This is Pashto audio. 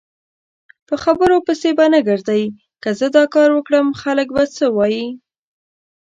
په خبرو پسې به نه ګرځی که زه داکاروکړم خلک به څه وایي؟